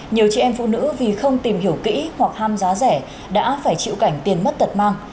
nhiều chị em phụ nữ vì không tìm hiểu kỹ hoặc ham giá rẻ đã phải chịu cảnh tiền mất tật mang